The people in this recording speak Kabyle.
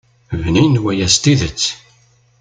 Bnin waya s tidet.